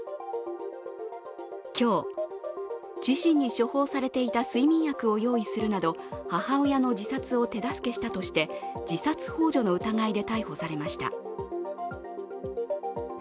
今日、自身に処方されていた睡眠薬を用意するなど母親の自殺を手助けしたとして、自殺ほう助の疑いで逮捕されました。